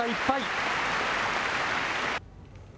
１敗。